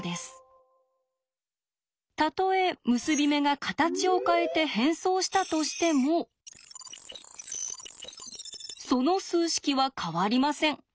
たとえ結び目が形を変えて変装したとしてもその数式は変わりません。